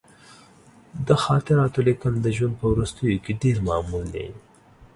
د خاطراتو لیکل د ژوند په وروستیو کې ډېر معمول دي.